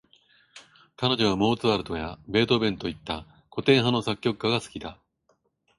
彼女はモーツァルトやベートーヴェンといった、古典派の作曲家が好きだ。